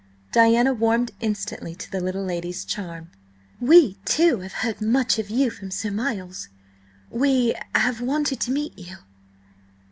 Diana warmed instantly to the little lady's charm. "Indeed, madam, we, too, have heard much of you from Sir Miles. We have wanted to meet you!"